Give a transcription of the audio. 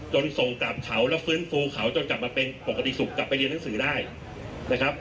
ส่งกลับเขาแล้วฟื้นฟูเขาจนกลับมาเป็นปกติสุขกลับไปเรียนหนังสือได้นะครับ